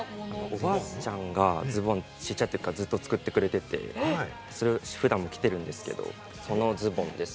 おばあちゃんがちっちゃいときからズボンを作ってくれていて、普段も着てるんですけれども、そのズボンです。